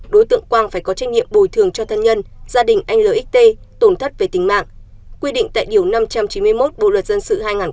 đối tượng quang phải có trách nhiệm bồi thường cho thân nhân gia đình anh lt tổn thất về tính mạng quy định tại điều năm trăm chín mươi một bộ luật dân sự hai nghìn một mươi năm